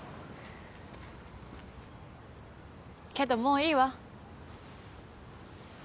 けどもういいわ。